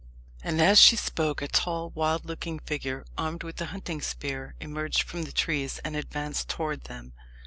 And as she spoke, a tall wild looking figure, armed with a hunting spear, emerged from the trees and advanced towards them.